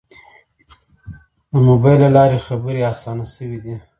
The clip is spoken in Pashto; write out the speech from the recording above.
د موبایل له لارې خبرې آسانه شوې دي.